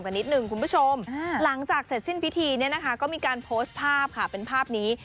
นิดหนึ่งคุณผู้ชมหลังจากเสร็จสิ้นพิธีเนี่ยนะคะก็มีการโพสต์ภาพค่ะเป็นภาพนี้